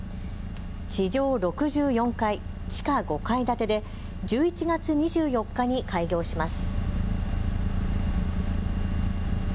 地上６４階、地下５階建てで１１月２４日に開業します。